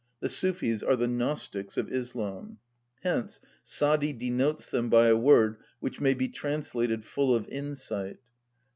The Sufis are the Gnostics of Islam. Hence Sadi denotes them by a word which may be translated "full of insight."